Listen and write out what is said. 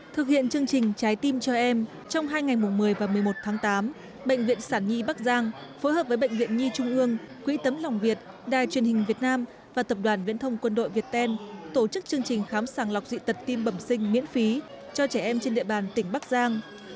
thực hiện chương trình trái tim cho em trong hai ngày mùng một mươi và một mươi một tháng tám bệnh viện sản nhi bắc giang phối hợp với bệnh viện nhi trung ương quỹ tấm lòng việt đài truyền hình việt nam và tập đoàn viễn thông quân đội việt ten tổ chức chương trình khám sàng lọc dị tật tim bẩm sinh miễn phí cho trẻ em trên địa bàn tỉnh bắc giang